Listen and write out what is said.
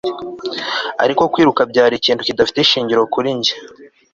ariko kwiruka byari ikintu kidafite ishingiro kuri njye